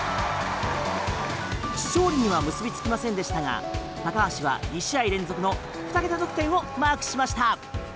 勝利には結びつきませんでしたが高橋は２試合連続の２桁得点をマークしました。